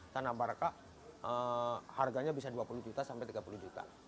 tanah barca harganya bisa dua puluh juta sampai tiga puluh juta